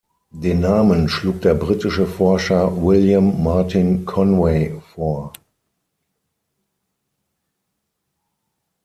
Den Namen schlug der britische Forscher William Martin Conway vor.